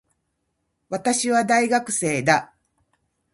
私は、大学生だ。